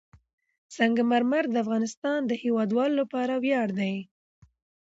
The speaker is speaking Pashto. سنگ مرمر د افغانستان د هیوادوالو لپاره ویاړ دی.